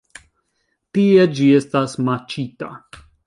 Tie ĝi estas maĉita.